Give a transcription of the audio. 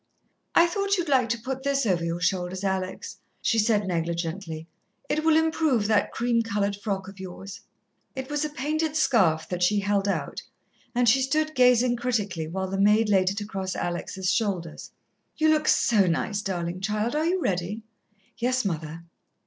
"I thought you'd like to put this over your shoulders, Alex," she said negligently. "It will improve that cream coloured frock of yours." It was a painted scarf that she held out, and she stood gazing critically while the maid laid it across Alex' shoulders. "You look so nice, darling child. Are you ready?" "Yes, mother."